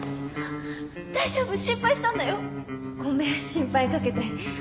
大丈夫？心配したんだよ。ごめん心配かけて。